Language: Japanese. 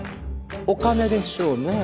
お金でしょうね。